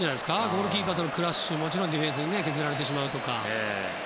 ゴールキーパーとのクラッシュやディフェンスに削られるとか。